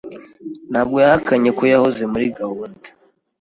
Ntabwo yahakanye ko yahoze muri gahunda.